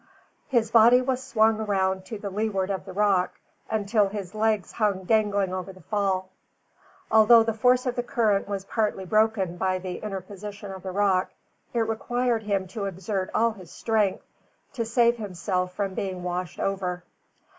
His body was swung around to the leeward of the rock, until his legs hung dangling over the fall. Although the force of the current was partly broken by the interposition of the rock, it required him to exert all his strength to save himself from being washed over.